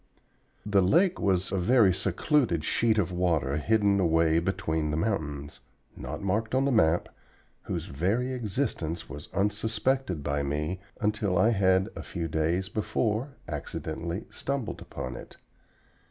The lake was a very secluded sheet of water hidden away between the mountains, not marked on the map, whose very existence was unsuspected by me until I had a few days before accidentally stumbled upon it.